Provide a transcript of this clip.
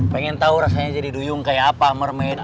pengen tahu rasanya jadi duyung kayak apa mermen